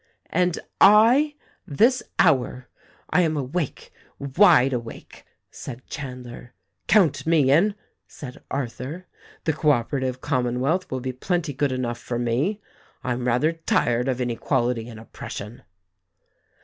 "And I, this hour — I am awake, wide awake!" said Chandler. "Count me in," said Arthur. "The Co Operative Com monwealth will be plenty good enough for me. I'm rather tired of inequality and oppression."